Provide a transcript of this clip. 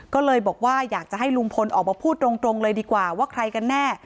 ก็เลยบอกว่าอยากจะให้ลุงพลออกมาพูดตรงเลยดีกว่าว่าใครกันแน่